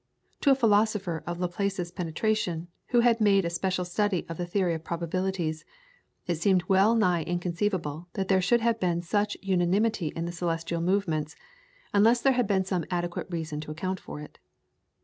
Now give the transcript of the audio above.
To a philosopher of Laplace's penetration, who had made a special study of the theory of probabilities, it seemed well nigh inconceivable that there should have been such unanimity in the celestial movements, unless there had been some adequate reason to account for it.